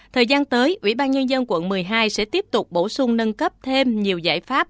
thời gian tới ủy ban nhân dân quận một mươi hai sẽ tiếp tục bổ sung nâng cấp thêm nhiều giải pháp